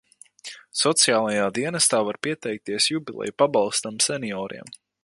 Sociālajā dienestā var pieteikties jubileju pabalstam senioriem.